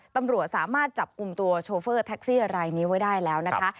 ตำรวจสามารถจับกลุ่มตัวโชเฟอร์แท็กซี่รายนี้ไว้ได้แล้วนะคะ